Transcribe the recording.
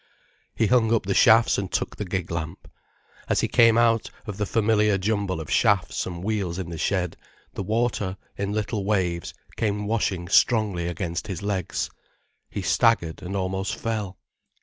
He hung up the shafts and took the gig lamp. As he came out of the familiar jumble of shafts and wheels in the shed, the water, in little waves, came washing strongly against his legs. He staggered and almost fell.